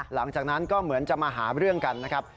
หลังจากนั้นก็เหมือนจะมาหาเรื่องกันนะครับ